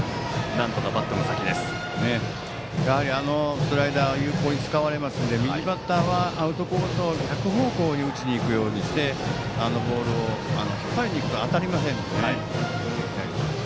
やはり、あのスライダーを有効に使われますので右バッターはアウトコースを逆方向に打ちに行くようにしてあのボールを引っ張りにいくと当たりませんので。